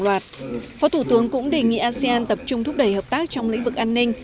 loạt phó thủ tướng cũng đề nghị asean tập trung thúc đẩy hợp tác trong lĩnh vực an ninh